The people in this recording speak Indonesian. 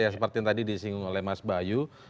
seperti yang tadi disinggung oleh mas bayu